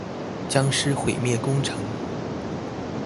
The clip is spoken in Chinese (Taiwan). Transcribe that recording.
殭屍毀滅工程